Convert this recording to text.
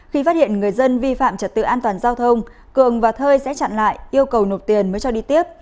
khi phát hiện người dân vi phạm trật tự an toàn giao thông cường và thơi sẽ chặn lại yêu cầu nộp tiền mới cho đi tiếp